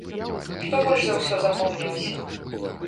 Што больш за ўсё запомнілася?